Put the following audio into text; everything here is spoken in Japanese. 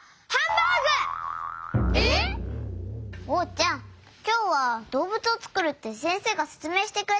おうちゃんきょうはどうぶつをつくるってせんせいがせつめいしてくれたじゃない。